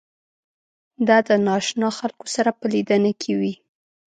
دا د نااشنا خلکو سره په لیدنه کې وي.